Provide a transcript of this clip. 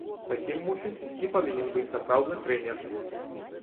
Такім, мусіць, і павінен быць сапраўдны трэнер!!!